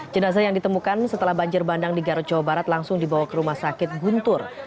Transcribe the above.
jenazah yang ditemukan setelah banjir bandang di garut jawa barat langsung dibawa ke rumah sakit guntur